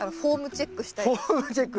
フォームチェック。